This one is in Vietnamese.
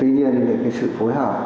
tuy nhiên sự phối hợp